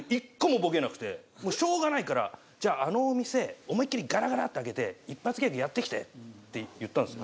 しょうがないから「じゃああのお店思いっ切りガラガラって開けて一発ギャグやってきて」って言ったんですよ。